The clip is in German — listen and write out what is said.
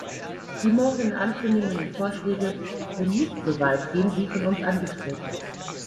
Die morgen anzunehmenden Vorschläge sind nicht so weitgehend wie von uns angestrebt.